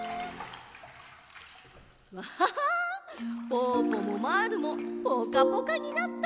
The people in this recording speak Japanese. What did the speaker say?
ぽぅぽもまぁるもぽかぽかになった。